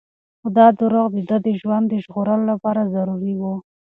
خو دا دروغ د ده د ژوند د ژغورلو لپاره ضروري وو.